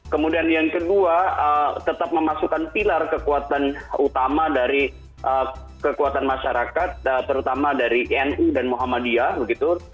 kemudian yang kedua tetap memasukkan pilar kekuatan utama dari kekuatan masyarakat terutama dari nu dan muhammadiyah begitu